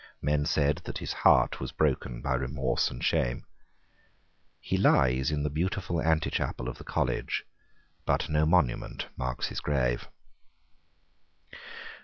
Men said that his heart was broken by remorse and shame. He lies in the beautiful antechapel of the college: but no monument marks his grave.